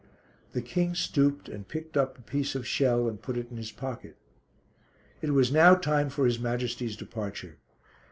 The King stooped and picked up a piece of shell and put it in his pocket. It was now time for His Majesty's departure.